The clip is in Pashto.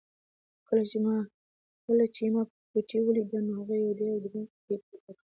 کله چې ما کوچۍ ولیده نو هغې یو ډېر دروند پېټی پورته کاوه.